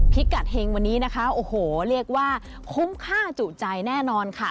พิกัดเฮงวันนี้นะคะโอ้โหเรียกว่าคุ้มค่าจุใจแน่นอนค่ะ